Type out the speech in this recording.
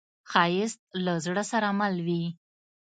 ښایست له زړه سره مل وي